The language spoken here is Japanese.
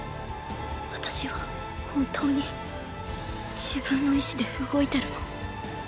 私は本当に自分の意志で動いてるの？